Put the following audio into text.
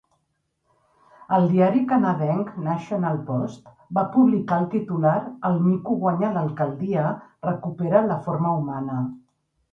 El diari canadenc "National Post" va publicar el titular "El mico guanya l'alcaldia, recupera la forma humana".